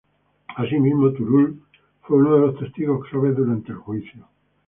Asimismo, Turull, fue uno de los testigos clave durante el juicio.